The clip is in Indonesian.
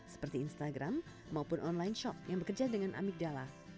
seperti instagram maupun online shop yang bekerja dengan amigdala